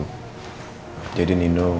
tidak ada yang bisa diberikan